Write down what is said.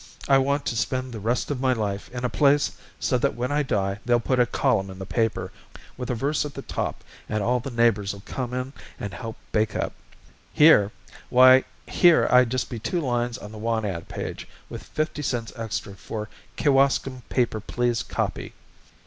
I want to spend the rest of my life in a place so that when I die they'll put a column in the paper, with a verse at the top, and all the neighbors'll come in and help bake up. Here why, here I'd just be two lines on the want ad page, with fifty cents extra for 'Kewaskum paper please copy.'"